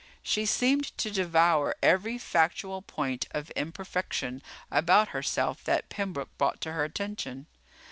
She seemed to devour every factual point of imperfection about herself that Pembroke brought to her attention.